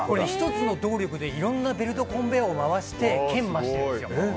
１つの動力でいろんなベルトコンベヤーを回して研磨してるんですよ。